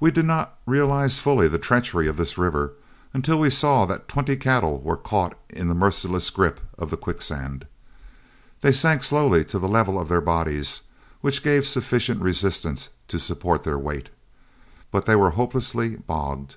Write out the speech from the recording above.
We did not realize fully the treachery of this river until we saw that twenty cattle were caught in the merciless grasp of the quicksand. They sank slowly to the level of their bodies, which gave sufficient resistance to support their weight, but they were hopelessly bogged.